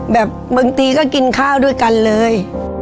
แบบบางทีก็กินข้าวด้วยกันเลย